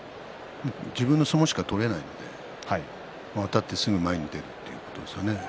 自分の相撲しか取れないので、あたってすぐ前に出るということですね。